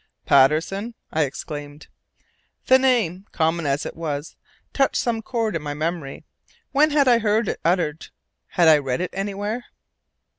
"Patterson?" I exclaimed. The name, common as it was, touched some chord in my memory. When had I heard it uttered? Had I read it anywhere?